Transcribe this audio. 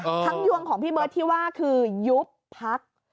ทั้งยวงของพี่เบิร์ตที่ว่าคือยุบพัก